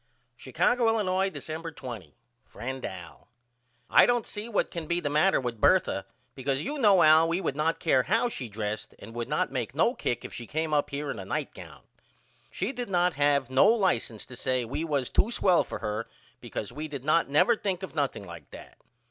Chicago, Illinois, December 20. FRIEND AL: I don't see what can be the matter with Bertha because you know Al we would not care how she dressed and would not make no kick if she come up here in a nightgown. She did not have no license to say we was to swell for her because we did not never think of nothing like that.